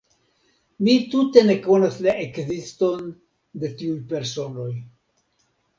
Mi tute ne konas la ekziston de tiuj personoj.